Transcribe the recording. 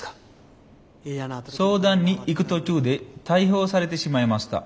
相談に行く途中で逮捕されてしまいました。